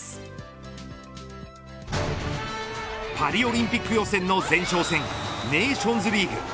パリオリンピック予選の前哨戦ネーションズリーグ。